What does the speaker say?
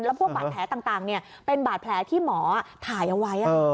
พวกบาดแผลต่างเป็นบาดแผลที่หมอถ่ายเอาไว้